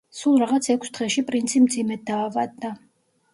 სულ რაღაც ექვს დღეში პრინცი მძიმედ დაავადდა.